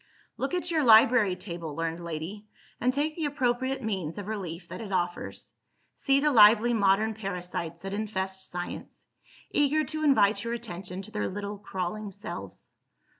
Look at your library table, learned lady, and take the appropriate means of relief that it offers. See the lively modern parasites that infest Science, eager to invite your attention to their little crawling selves.